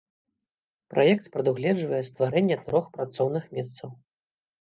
Праект прадугледжвае стварэнне трох працоўных месцаў.